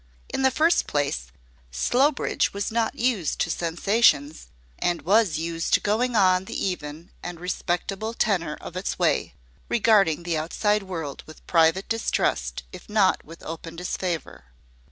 In the first place, Slowbridge was not used to sensations, and was used to going on the even and respectable tenor of its way, regarding the outside world with private distrust, if not with open disfavor.